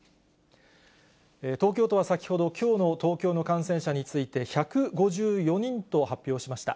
東京都は先ほど、きょうの東京の感染者について、１５４人と発表しました。